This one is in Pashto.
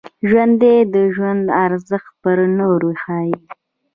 ژوندي د ژوند ارزښت پر نورو ښيي